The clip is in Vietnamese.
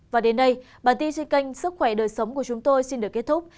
và đến nay bản tin trên kênh sức khỏe đời sống của chúng tôi xin được kết thúc